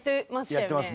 やってます。